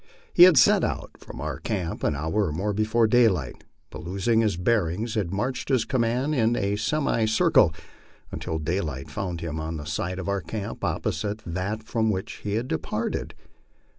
He had set out from our camp an hour or more before daylight, but losing his bearings had marched his command in a semicircle until daylight found him on the side of our camp opposite that from which he had departed.